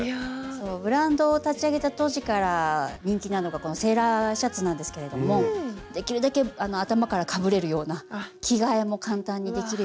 ブランドを立ち上げた当時から人気なのがこのセーラーシャツなんですけれどもできるだけ頭からかぶれるような着替えも簡単にできるような。